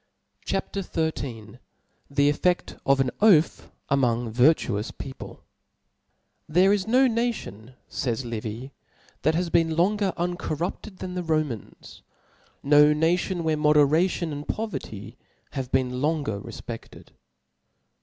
CHAR XIII. 7he EffeSi of an Oath among virtuous People^ OBooki.'TpHERE is no nation, lays Liv^ (^), that has *■ has been longer uncorruptcd than the Ro mans ; no nation where moderation and poverty have been longer refpefted.